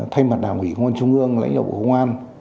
thay mặt đảng ủy công an trung ương lãnh đạo bộ công an